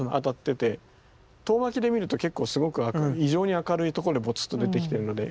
遠巻きで見ると結構すごく異常に明るいところでぼつっと出てきてるので。